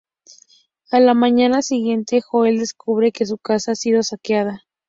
A la mañana siguiente, Joel descubre que su casa ha sido saqueada.